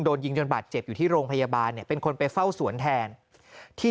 โดนยิงจนบาดเจ็บอยู่ที่โรงพยาบาลเนี่ยเป็นคนไปเฝ้าสวนแทนที่